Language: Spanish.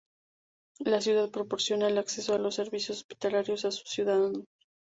La ciudad proporciona el acceso a los servicios hospitalarios a sus ciudadanos.